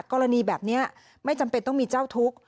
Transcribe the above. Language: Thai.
กรณีแบบนี้ไม่จำเป็นต้องมีเจ้าทุกข์